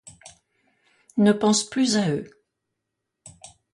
Ne pense plus à eux.